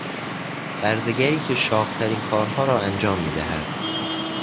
برزگری که شاقترین کارها را انجام میدهد